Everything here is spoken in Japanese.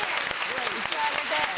１枚あげて。